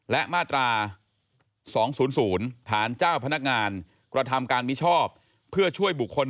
และมาตรา๒๐๐ฐานเจ้าพนักงานกระทำการมิชอบเพื่อช่วยบุคคล